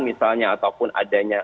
misalnya ataupun adanya